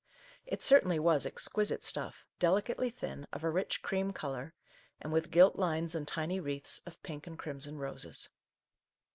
It certainly was exquisite stuff, deli cately thin, of a rich cream colour, and with gilt lines and tiny wreaths of pink and crimson roses.